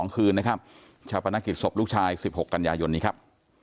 คืนนะครับชาวประนักกิจศพลูกชายสิบหกกันยายนนี้ครับ